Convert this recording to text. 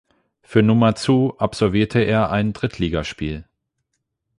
Für Numazu absolvierte er ein Drittligaspiel.